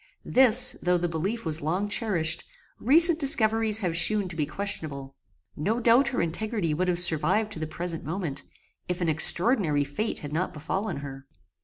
This, though the belief was long cherished, recent discoveries have shewn to be questionable. No doubt her integrity would have survived to the present moment, if an extraordinary fate had not befallen her.